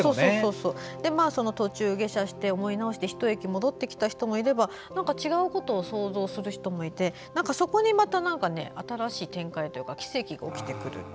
途中下車して、思い直して１駅戻ってきた人もいれば違うことを想像する人もいてそこにまた新しい展開というか奇跡が起きてくる。